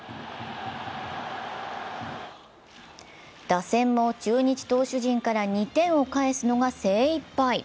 打線も中日投手陣から２点を返すのが精いっぱい。